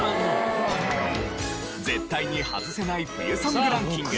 絶対にハズせない冬ソングランキング。